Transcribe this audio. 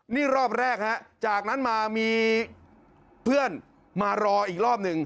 นี่รอบแรกฮะจากนั้นมามีเพื่อนมารออีกรอบหนึ่ง